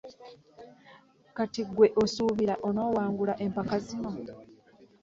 Kati gwe osuubira onawangula empaka zino.